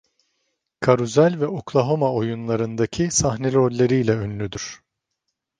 “Carousel” ve “Oklahoma!” oyunlarındaki sahne rolleriyle ünlüdür.